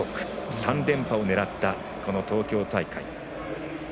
３連覇を狙った東京大会。